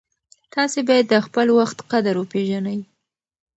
تاسې باید د خپل وخت قدر وپېژنئ.